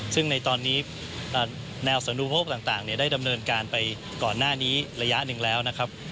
ซึ่งในตอนนี้แนวสนุโภคต่างได้ดำเนินการไปก่อนหน้านี้ระยะหนึ่งแล้วนะครับ